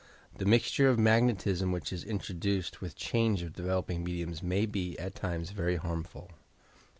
The mixture of magnetism which is introduced with change of developing mediums may be, at times, verj harmful.